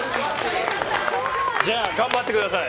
じゃあ頑張ってください。